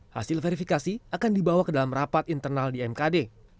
hasil verifikasi akan dibawa ke dalam rapat internal di mkd